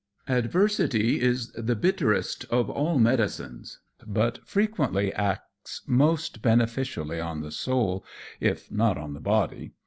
Adversity is the bitterest of all medicines, but frequently acts most beneficially on the soul, if not on the body.